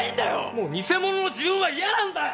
もう偽物の自分は嫌なんだよ！！